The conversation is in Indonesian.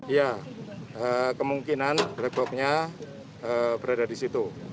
ya kemungkinan black box nya berada di situ